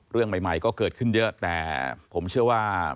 เรื่องใหม่ก็เกิดขึ้นเยอะแต่ผมเชื่อว่า